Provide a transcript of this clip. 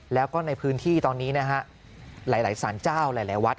แล้วก็ในพื้นที่ตอนนี้นะฮะหลายสารเจ้าหลายวัดเขาก็ใช้นะตังเดียวกัน